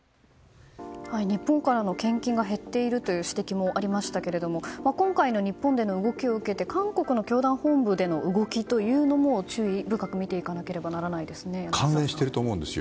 日本からの献金が減っているという指摘もありましたけど今回の日本での動きを受けて韓国の教団本部での動きというのも注意深く見ていかなければ関連していると思うんです。